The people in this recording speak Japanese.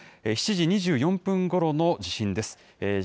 ７時２４分ごろの地震です。